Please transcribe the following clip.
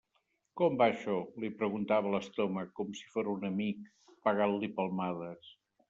Com va això? –li preguntava a l'estómac, com si fóra un amic, pegant-li palmades.